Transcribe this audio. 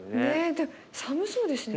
で寒そうですね。